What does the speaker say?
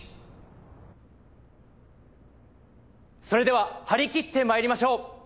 それでは張り切って参りましょう！